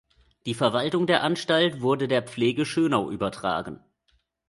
Die Verwaltung der Anstalt wurde der Pflege Schönau übertragen.